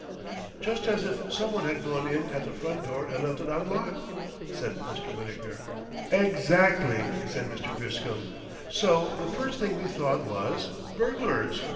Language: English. "Just as if some one had gone in at the front door and left it unlocked," said Mr. Wittaker. "Exactly!" said Mr. Griscom. "So the first thing we thought was 'Burglars!'